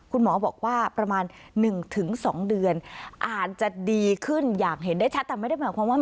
คุณหมอบอกว่าประมาณ๑๒เดือนอาจจะดีขึ้นอย่างเห็นได้ชัด